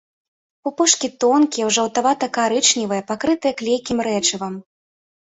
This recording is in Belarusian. Пупышкі тонкія, жаўтавата- карычневыя, пакрытыя клейкім рэчывам.